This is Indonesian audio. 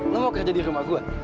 lo mau kerja di rumah gue